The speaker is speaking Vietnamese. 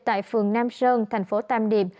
tại phường nam sơn thành phố tam điệp